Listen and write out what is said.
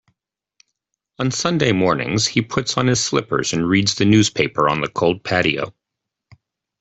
On Sunday mornings, he puts on his slippers and reads the newspaper on the cold patio.